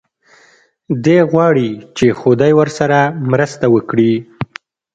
دی غواړي چې خدای ورسره مرسته وکړي.